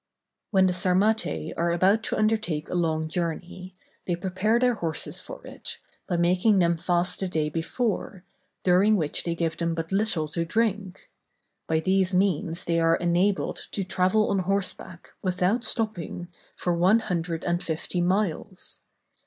_] When the Sarmatæ are about to undertake a long journey, they prepare their horses for it, by making them fast the day before, during which they give them but little to drink; by these means they are enabled to travel on horseback, without stopping, for one hundred and fifty miles.